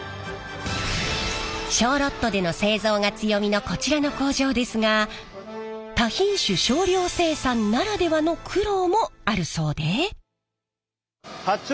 小ロットでの製造が強みのこちらの工場ですが多品種少量生産ならではの苦労もあるそうで。